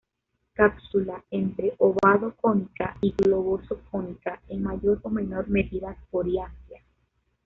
Cápsula entre ovado-coníca y globoso-cónica, en mayor o menor medida coriácea.